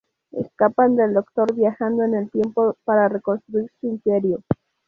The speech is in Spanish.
Escapan del Doctor viajando en el tiempo para reconstruir su Imperio.